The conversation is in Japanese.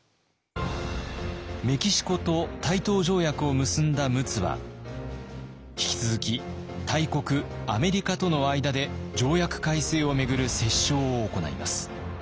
メキシコと対等条約を結んだ陸奥は引き続き大国アメリカとの間で条約改正を巡る折衝を行います。